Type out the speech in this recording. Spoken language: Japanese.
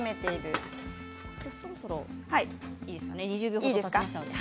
そろそろいいですかね